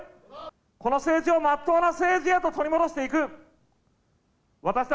この政治をまっとうな政治へと取り戻していく。